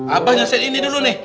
abah nyesel ini dulu nih